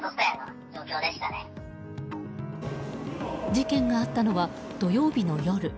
事件があったのは、土曜日の夜。